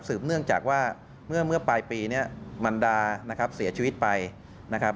เนื่องจากว่าเมื่อปลายปีเนี่ยมันดานะครับเสียชีวิตไปนะครับ